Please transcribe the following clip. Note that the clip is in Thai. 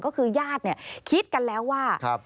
ก็คือญาติคิดกันแล้วว่า